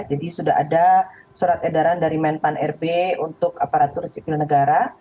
jadi sudah ada surat edaran dari menpan rb untuk aparatur sipil negara